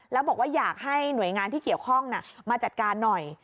แล้วบอกว่าอยากให้หน่วยงานที่เกี่ยวข้องมาจัดการหน่อย